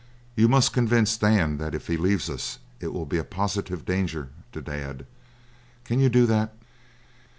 You must convince Dan that if he leaves us it will be a positive danger to Dad. Can you do that?"